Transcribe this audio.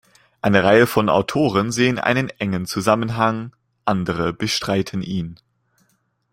Eine Reihe von Autoren sehen einen engen Zusammenhang, andere bestreiten ihn.